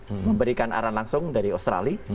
jadi memberikan arahan langsung dari australia